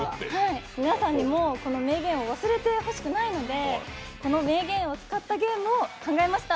皆さんにもこの明言を忘れてほしくないのでこの名言を使ったゲームを考えました。